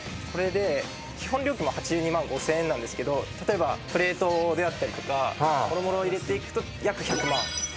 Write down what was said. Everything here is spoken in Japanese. これで基本料金は８２万５，０００円なんですけど例えばプレートであったりとか諸々入れていくと約１００万。